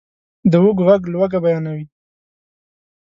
د وږو ږغ لوږه بیانوي.